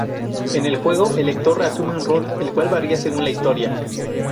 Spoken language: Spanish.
En el juego, el lector asume un rol, el cual varia según la historia.